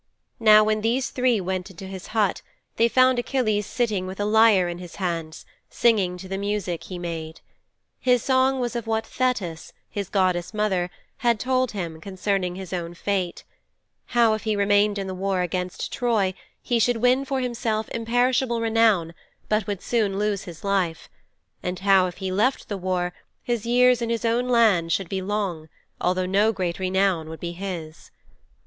Now when these three went into his hut they found Achilles sitting with a lyre in his hands, singing to the music he made. His song was of what Thetis, his goddess mother, had told him concerning his own fate how, if he remained in the war against Troy, he should win for himself imperishable renown but would soon lose his life, and how, if he left the war, his years in his own land should be long, although no great renown would be his.